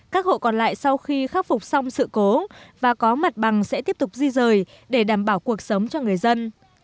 các hộ còn lại sau khi khắc phục xong sự cố và có mặt bằng sẽ tiếp tục di rời để đảm bảo cuộc sống cho người dân